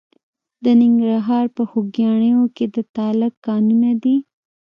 د ننګرهار په خوږیاڼیو کې د تالک کانونه دي.